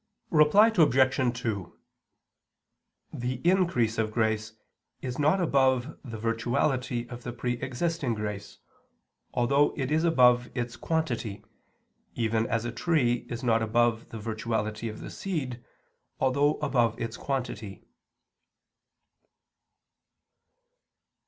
Reply Obj. 2: The increase of grace is not above the virtuality of the pre existing grace, although it is above its quantity, even as a tree is not above the virtuality of the seed, although above its quantity.